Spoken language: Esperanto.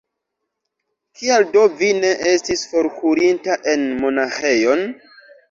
Kial do vi ne estis forkurinta en monaĥejon?